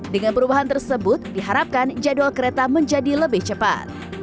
dengan perubahan tersebut diharapkan jadwal kereta menjadi lebih cepat